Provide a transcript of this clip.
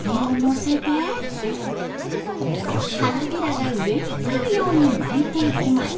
花びらが上にくるように巻いていきます。